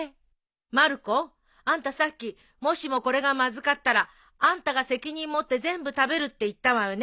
まる子あんたさっきもしもこれがまずかったらあんたが責任持って全部食べるって言ったわよね。